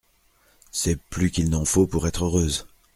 C'est plus qu'il n'en faut pour être heureuse.